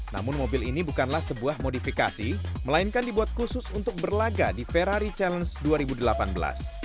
namun mobil ini bukanlah sebuah modifikasi melainkan dibuat khusus untuk berlaga di ferrari challenge dua ribu delapan belas